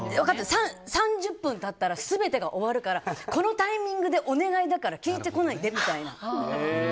３０分経ったら全てが終わるからこのタイミングでお願いだから聞いてこないでみたいな。